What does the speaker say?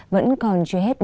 vẫn còn chưa hết bàng